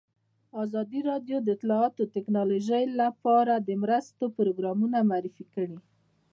ازادي راډیو د اطلاعاتی تکنالوژي لپاره د مرستو پروګرامونه معرفي کړي.